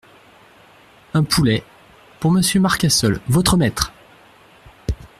Un poulet… pour Monsieur Marcassol, votre maître !